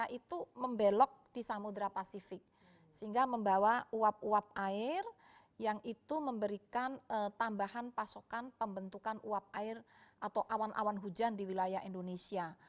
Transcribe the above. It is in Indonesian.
itu membelok di samudera pasifik sehingga membawa uap uap air yang itu memberikan tambahan pasokan pembentukan uap air atau awan awan hujan di wilayah indonesia